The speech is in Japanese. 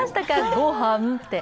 ごはんって。